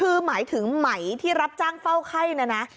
คือหมายถึงไหมที่รับจ้างเฝ้าไข้นะนะ